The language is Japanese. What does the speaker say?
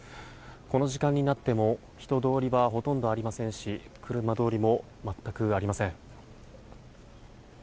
この時間になっても人通りはほとんどありませんし車通りも全くありません。